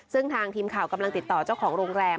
ซึ่งทางทีมข่าวกำลังติดต่อเจ้าของโรงแรม